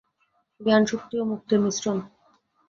জ্ঞান শক্তি ও মুক্তির মিশ্রণ।